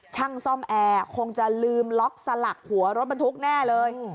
ช่างซ่อมแอร์คงจะลืมล็อกสลักหัวรถบรรทุกแน่เลย